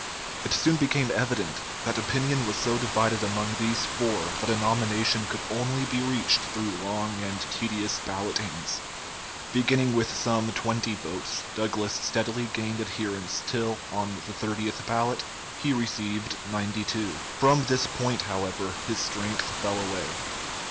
It soon became evident that opinion was so divided among these four that a nomination could only be reached through long and tedious ballotings. Beginning with some 20 votes, Douglas steadily gained adherents till on the 30th ballot he received 92. From this point, however, his strength fell away.